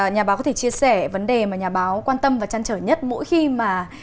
nhà báo có thể chia sẻ vấn đề mà nhà báo quan tâm và chăn trở nhất mỗi khi mà